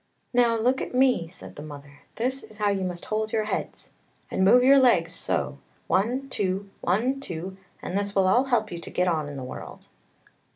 " Now look at me," said the mother; " this is how you must hold your heads! And move your legs so! one, two, one, two, this will all help you to get on in the world."